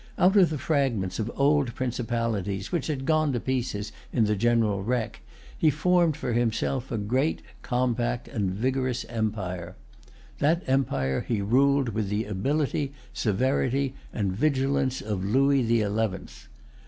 Out of the fragments of old principalities, which had gone to pieces in the general wreck, he formed for himself a great, compact, and vigorous empire. That empire he ruled with the ability, severity, and vigilance of Louis the Eleventh.